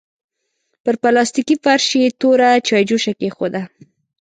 پر پلاستيکي فرش يې توره چايجوشه کېښوده.